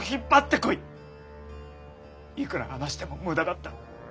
いくら話しても無駄だった。